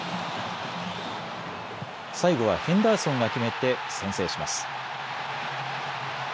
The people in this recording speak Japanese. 最後はヘンダーソンが決めて先制します。